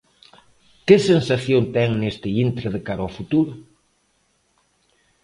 Que sensación ten neste intre de cara ao futuro?